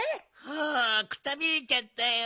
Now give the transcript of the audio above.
はあくたびれちゃったよ。